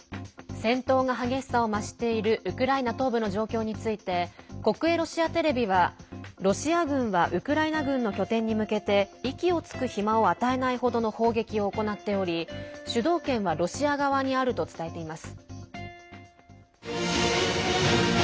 戦闘が激しさを増しているウクライナ東部の状況について国営ロシアテレビは、ロシア軍はウクライナ軍の拠点に向けて息をつく暇を与えない程の砲撃を行っており主導権はロシア側にあると伝えています。